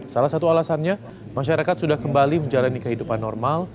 salah satu alasannya masyarakat sudah kembali menjalani kehidupan normal